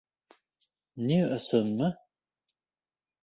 Ни өсөнмө?